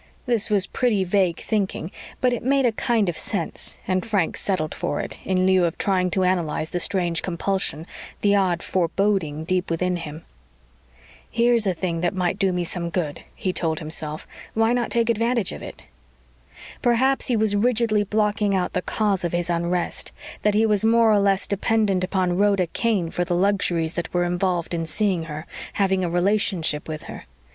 This was pretty vague thinking but it made a kind of sense and Frank settled for it in lieu of trying to analyze the strange compulsion, the odd foreboding deep within him. Here's a thing that might do me some good, he told himself. Why not take advantage of it? Perhaps he was rigidly blocking out the cause of his unrest that he was more or less dependent upon Rhoda Kane for the luxuries that were involved in seeing her, having a relationship with her.